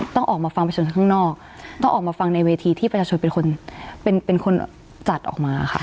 ต้องออกมาฟังประชาชนข้างนอกต้องออกมาฟังในเวทีที่ประชาชนเป็นคนเป็นคนจัดออกมาค่ะ